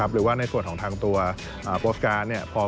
หรือว่าในส่วนของทางตัวโปรสการ์ดเนี่ย